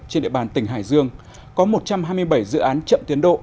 trên địa bàn tỉnh hải dương có một trăm hai mươi bảy dự án chậm tiến độ